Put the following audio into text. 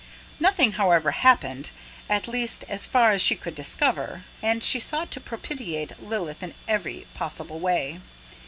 Nothing, however, happened at least as far as she could discover and she sought to propitiate Lilith in every possible way.